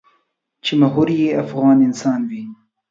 چې محور یې افغان انسان وي.